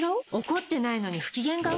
怒ってないのに不機嫌顔？